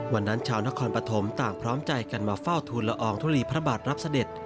วันนั้นชาวนครปฐมต่างพร้อมใจกันมาเฝ้าทูลละอองทุลีพระบาทรับเสด็จ